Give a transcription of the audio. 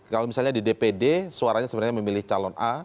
kalau misalnya di dpd suaranya sebenarnya memilih calon a